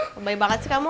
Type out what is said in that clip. kebaik banget sih kamu